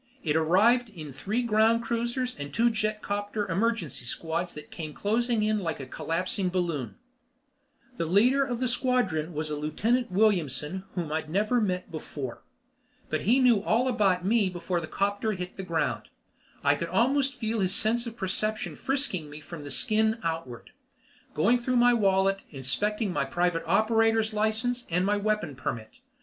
It arrived in three ground cruisers and two jetcopter emergency squads that came closing in like a collapsing balloon. The leader of the squadron was a Lieutenant Williamson whom I'd never met before. But he knew all about me before the 'copter hit the ground. I could almost feel his sense of perception frisking me from the skin outward, going through my wallet and inspecting the Private Operator's license and my Weapon Permit.